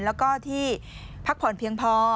แล้วก็ที่พักผ่อนเพียงพอ